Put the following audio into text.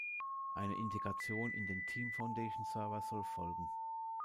Eine Integration in den Team Foundation Server soll folgen.